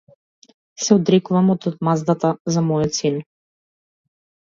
Се одрекувам од одмаздата за мојот син.